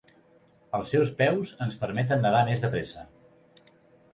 Els seus peus ens permeten nedar més de pressa.